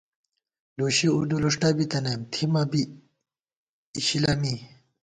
لُشی اُودُولُوݭٹہ بِتَنَئیم ، تھِمہ بی اِشِلہ می